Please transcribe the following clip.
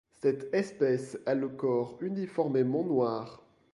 Cette espèce a le corps uniformément noir.